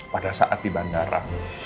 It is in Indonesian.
pada saat di bandara